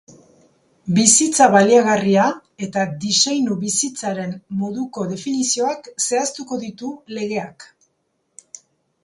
Bizitza baliagarria eta diseinu-bizitzaren moduko definizioak zehaztuko ditu legeak.